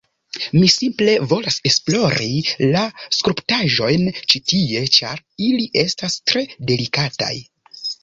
Mi simple volas esplori la skulptaĵojn ĉi tie ĉar ili estas tre delikataj